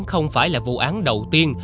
không phải là vụ án đầu tiên